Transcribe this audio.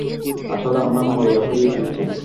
আসলে, আমরা মরিয়া হয়ে উঠেছি।